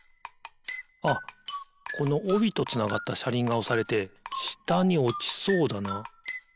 あっこのおびとつながったしゃりんがおされてしたにおちそうだな。